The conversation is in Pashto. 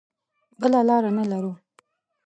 بله لاره نه لرو.